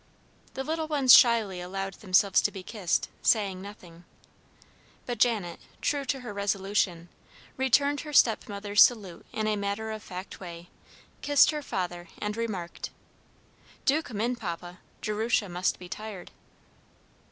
The little ones shyly allowed themselves to be kissed, saying nothing, but Janet, true to her resolution, returned her stepmother's salute in a matter of fact way, kissed her father, and remarked: "Do come in, Papa; Jerusha must be tired!"